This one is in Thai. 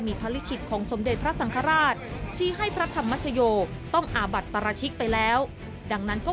มีภัลคิตของสมเนสทรัสห์สังคราชชีให้พระธรรมชโยคต้องอาบัดปารชิกไปแล้วดังนั้นก็